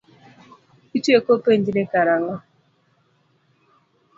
Itieko penjni karang'o?